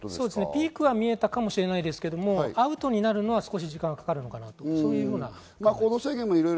ピークは見えたかもしれないですが、アウトになるのは少し時間がかかるかなというような気がします。